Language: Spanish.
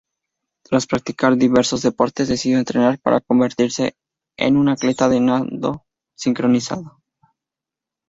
Tras practicar diversos deportes, decidió entrenar para convertirse en una atleta de nado sincronizado.